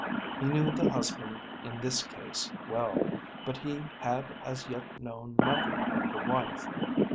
He knew the husband in this case well, but he had as yet known nothing of the wife.